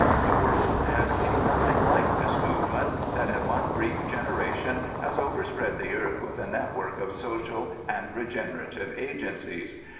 The world has seen nothing like this movement that in one brief generation has overspread the earth with a network of social and regenerative agencies.